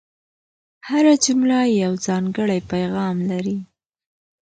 هره جمله یو ځانګړی پیغام لري.